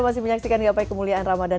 masih menyaksikan gapai kemuliaan ramadan